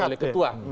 dipoarkan oleh ketua